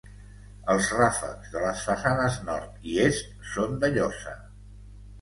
Els ràfecs de les façanes Nord i Est són de llosa.